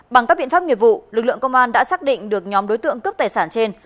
bằng các biện pháp nghiệp vụ lực lượng công an đã xác định được nhóm đối tượng cướp tài sản trên